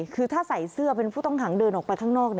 คือถ้าใส่เสื้อเป็นผู้ต้องขังเดินออกไปข้างนอก